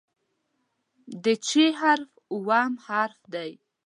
د "چ" حرف اووم حرف دی.